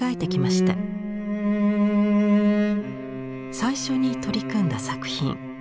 最初に取り組んだ作品。